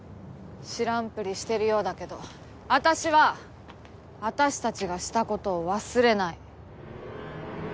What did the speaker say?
知らんぷりしてるようだけど私は私たちがした事を忘れない。